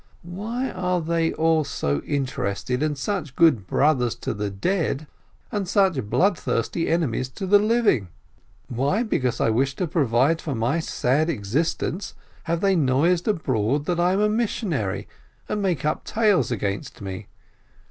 Why are they all so interested and such good brothers to the dead, and such bloodthirsty enemies to the living? Why, because I wish to provide for my sad existence, have they noised abroad that I am a missionary, and made up tales against me